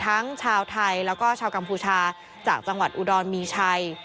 ทั้งชาวไทยแล้วก็ชาวกัมพูชาจากจังหวัดอุดรมีชัย